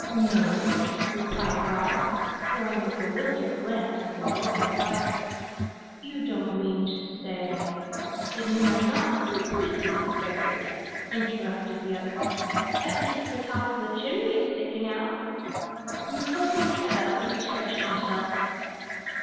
"No," replied Rod, throwing a bewildered glance at the roaring fire. "You don't mean to say " "Then we are not completely, buried," interrupted the other. "At least the top of the chimney is sticking out!" Mukoki sat up and stretched himself.